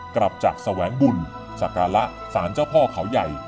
กลับจากแสวงบุญสักการะสารเจ้าพ่อเขาใหญ่